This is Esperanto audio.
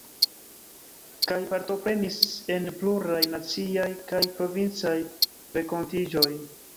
Kaj partoprenis en pluraj naciaj kaj provincaj renkontiĝoj.